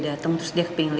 aku mau pergi